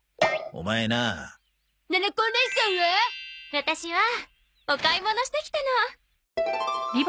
ワタシはお買い物してきたの。